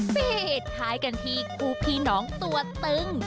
เป็นเหตุท้ายกันที่คู่พี่น้องตัวตึง